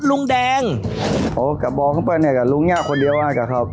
ลุงแดงโอ้กระบองเข้าไปเนี้ยกะลุงเนี้ยคนเดียวน่ะกะครับ